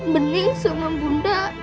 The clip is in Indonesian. bening sama bunda